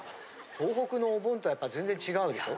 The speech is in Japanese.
東北のお盆とやっぱり全然違うでしょ？